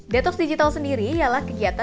detox digital sendiri ialah kegiatan